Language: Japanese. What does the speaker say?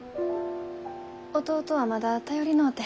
弟はまだ頼りのうて。